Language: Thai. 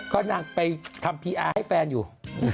ก็นางไปทำพีอาร์ให้แฟนอยู่